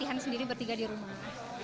jadi hanya sendiri bertiga di rumah